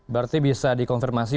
berarti bisa dikonfirmasi